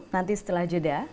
nanti setelah jeda